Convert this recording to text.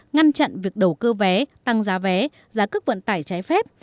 ngăn chặn việc đầu cơ vé tăng giá vé giá cước vận tải trái phép